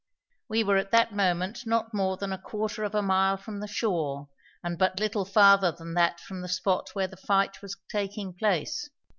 We were at that moment not more than a quarter of a mile from the shore and but little farther than that from the spot where the fight was taking place.